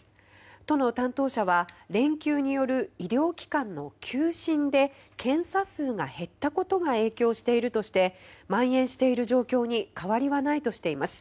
都の担当者は連休による医療機関の休診で検査数が減ったことが影響しているとして蔓延している状況に変わりはないとしています。